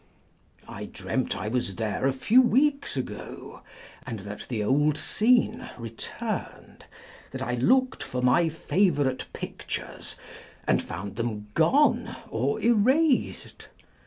I dreamt I was there a few weeks ago, and that the old scene returned â€" that I looked for my favourite pictures, and found them gone or erased.